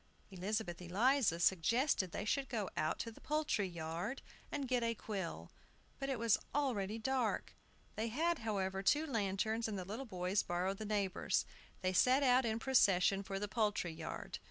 Elizabeth Eliza suggested that they should go out to the poultry yard and get a quill. But it was already dark. They had, however, two lanterns, and the little boys borrowed the neighbors'. They set out in procession for the poultry yard.